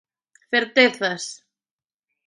Certezas.